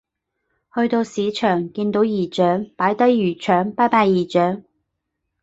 去到市場見到姨丈擺低魚腸拜拜姨丈